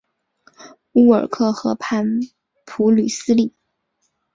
乌尔克河畔普吕斯利。